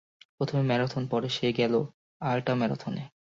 প্রথমে ম্যারাথন, পরে সে গেল আল্ট্রাম্যারাথনে।